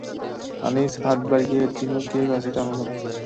আনিস হাত বাড়িয়ে দিনুকে কাছে টানল।